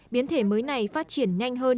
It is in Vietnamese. biến thể mới này phát triển nhanh hơn